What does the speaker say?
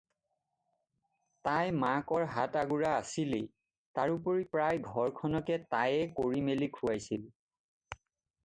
তাই মাকৰ হাত আগুৰা আছিলেই, তদুপৰি প্ৰায় ঘৰখনকে তায়ে কৰি মেলি খুৱাইছিল।